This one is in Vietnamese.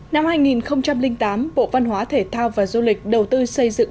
năm hai nghìn tám bộ văn hóa thể thao và du lịch đầu tư xây dựng